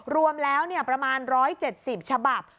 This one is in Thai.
รวมแล้วประมาณ๑๗๐ฉบับ